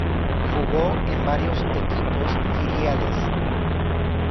Jugó en varios equipos filiales.